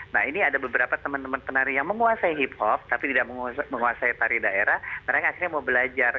nah ini ada beberapa teman teman penari yang menguasai hip hop tapi tidak menguasai tari daerah mereka akhirnya mau belajar